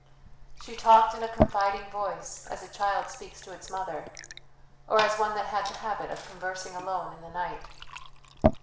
She talked in a confiding voice as a child speaks to its mother, or as one that had the habit of conversing alone in the night.